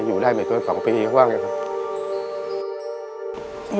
อยู่ได้ไปเกิน๒ปีก็ว่างอยู่